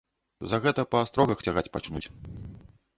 За гэта па астрогах цягаць пачнуць.